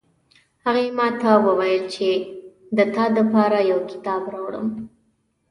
هغې ماته وویل چې د تا د پاره یو کتاب راوړم